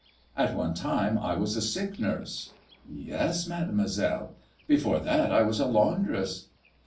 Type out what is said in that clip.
''At one time I was a sick nurse." '' Yes, Mademoiselle." Before that I was a laun dress."